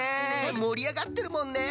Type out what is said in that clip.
もりあがってるもんね。